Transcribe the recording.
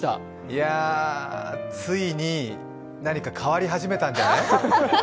いや、ついに、何か変わり始めたんじゃない？